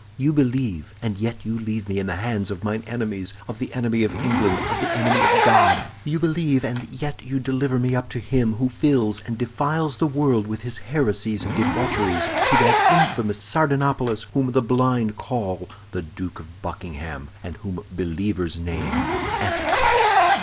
You believe, and yet you leave me in the hands of mine enemies, of the enemy of England, of the enemy of God! You believe, and yet you deliver me up to him who fills and defiles the world with his heresies and debaucheries—to that infamous Sardanapalus whom the blind call the Duke of Buckingham, and whom believers name Antichrist!"